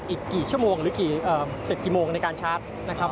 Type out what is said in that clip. อีกกี่ชั่วโมงหรือเสร็จกี่โมงในการชาร์จนะครับ